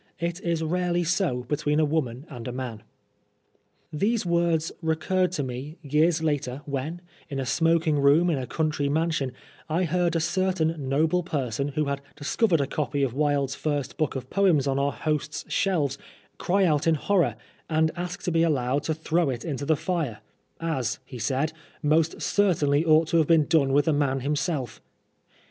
It is rarely so between a woman and a man." These words recurred to me, years later, when, in a smcking room in a country mansion, I heard a certain noble person who had discovered a copy of Wilde's first book of poems on our host's shelves cry out in horror, and ask to be allowed to 13 Oscar Wilde throw it into the fire, "as," he said, "most certainly ought to have been done with the man himself."